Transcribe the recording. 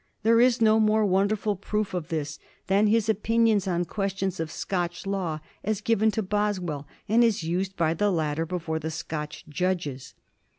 There is no more wonderful proof of this than his opinions on questions of Scotch law, as given to Boswell and as used by the latter before the Scotch judges.